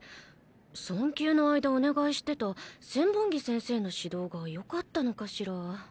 産休の間お願いしてた千本木先生の指導がよかったのかしら？